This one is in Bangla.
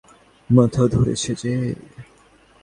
মাথা ধরেছে যে।